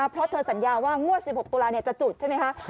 เพราะเธอสัญญาว่างวด๑๖ตุลาจะจุดใช่ไหมคะ